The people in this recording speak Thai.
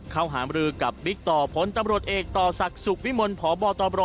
หามรือกับบิ๊กต่อผลตำรวจเอกต่อศักดิ์สุขวิมลพบตบร